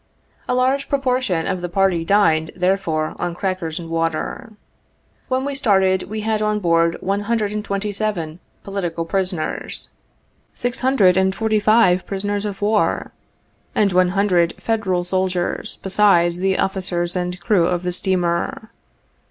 A large proportion of the party dined, therefore, on crackers and water. When we started we had on board one hundred and twenty seven "political 49 prisoners," six hundred and forty five prisoners of war, and one hundred Federal soldiers, besides the officers and crew of the steamer.